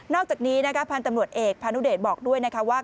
นอกจากนี้พันธ์ตำรวจเอกพาณุเดชน์บอกด้วยว่า